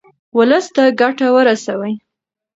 ولس ته ګټه ورسوئ.